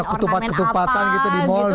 ketupat ketupatan gitu di mall